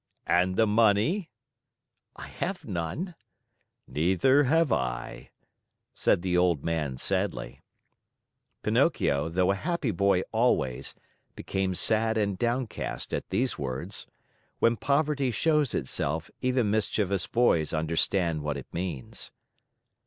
"And the money?" "I have none." "Neither have I," said the old man sadly. Pinocchio, although a happy boy always, became sad and downcast at these words. When poverty shows itself, even mischievous boys understand what it means.